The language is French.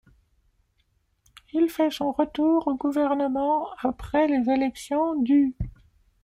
Il fait son retour au gouvernement après les élections du.